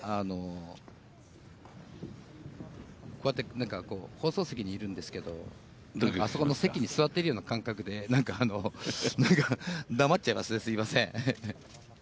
こうやって放送席にいるんですけれども、あそこの席に座っているような感覚で、だまっちゃいますね、すみません。